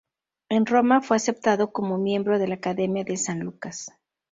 En Roma, fue aceptado como miembro de la Academia de San Lucas.